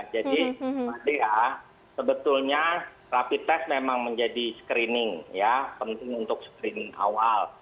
jadi sebetulnya rapid test memang menjadi screening ya penting untuk screening awal